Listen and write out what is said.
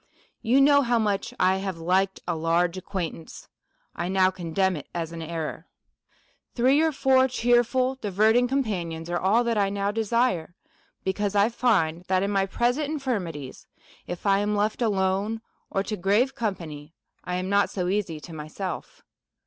'" You know how much I have liked a large ac quaintance ; I now condemn it as an error. Three or four cheerful, diverting companions, are all that 1 now desire ; because I find that, in my present infir l3 150 A SERIOUS CALL TO A mities, if I am left alone, or to grave company, I am not so easy to myself."